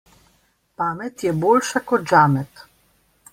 Pamet je boljša kot žamet.